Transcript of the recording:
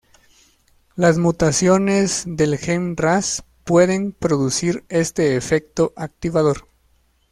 Las mutaciones del gen ras pueden producir este efecto activador.